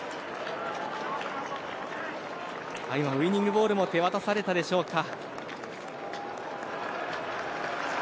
今、ウィニングボールも手渡されたでしょうか。